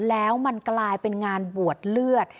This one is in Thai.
แล้วมันกลายเป็นงานบวชเลือด